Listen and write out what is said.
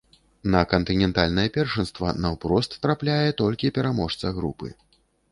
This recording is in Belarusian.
На кантынентальнае першынства наўпрост трапляе толькі пераможца групы.